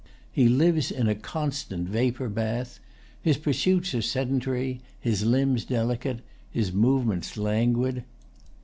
He lives in a constant vapor bath. His pursuits are sedentary, his limbs delicate, his movements languid.